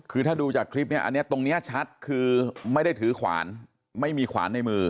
คือถ้าดูจากคลิปเนี่ยอันนี้ตรงนี้ชัดคือไม่ได้ถือขวานไม่มีขวานในมือ